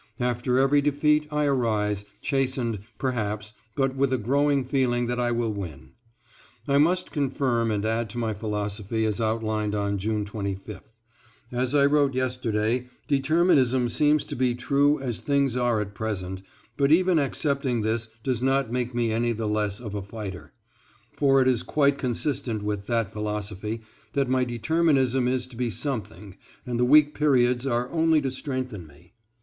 After every defeat I arise, chastened, perhaps, but with a growing feeling that I will win. I must confirm and add to my philosophy as outlined on June 25th. As I wrote yesterday, Determinism seems to be true as things are at present, but even accepting this does not make me any the less a fighter, for it is quite consistent with that philosophy that my determinism is to be something, and the weak periods are only to strengthen me.